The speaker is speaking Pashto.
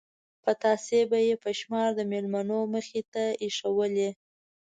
پتاسې به یې په شمار د مېلمنو مخې ته ایښودلې.